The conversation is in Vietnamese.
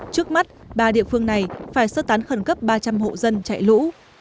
trước mắt ba địa phương này phải sơ tán khẩn cấp ba trăm linh hộ dân chạy lũ